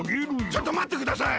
ちょっとまってください。